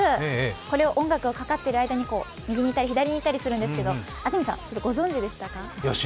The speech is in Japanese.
これを音楽をかかってる間に右に行ったり左に行ったりするんですけど安住さん、ご存じでしたか？